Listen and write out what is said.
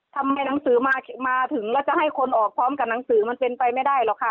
ทำไมหนังสือมาถึงแล้วจะให้คนออกพร้อมกับหนังสือมันเป็นไปไม่ได้หรอกค่ะ